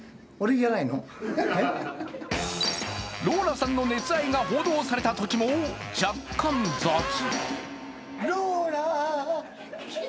ローラさんの熱愛が報道されたときも若干雑。